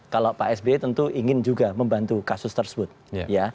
kalau pak sby tentu ingin juga membantu kasus tersebut ya